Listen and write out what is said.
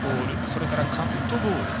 それから、カットボール。